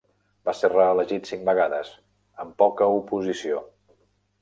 Va ser reelegit cinc vegades, amb poca oposició.